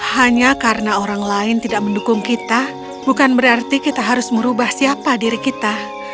hanya karena orang lain tidak mendukung kita bukan berarti kita harus merubah siapa diri kita